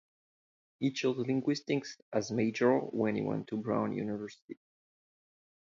He chose linguistics as major when he went to Brown University.